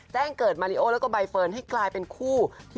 แจ้งเกิดมาริโอแล้วก็ใบเฟิร์นให้กลายเป็นคู่